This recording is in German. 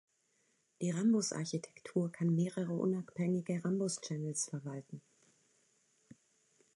Die Rambus-Architektur kann mehrere unabhängige Rambus-Channels verwalten.